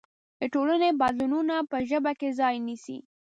د ټولنې بدلونونه په ژبه کې ځای نيسي.